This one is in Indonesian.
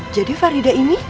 jadi farida ini